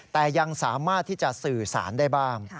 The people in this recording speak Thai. แต่ยังสามารถที่จะสื่อสารได้บ้าง